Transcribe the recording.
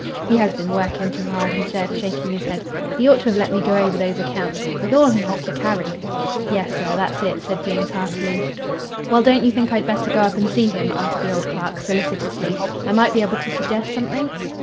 "He has been working too hard," he said, shaking his head. "He ought to have let me go over those accounts. With all he has to carry!" "Yes, sir, that's it," said James, heartily. "Well, don't you think I'd better go up and see him?" asked the old clerk, solicitously. "I might be able to suggest something?"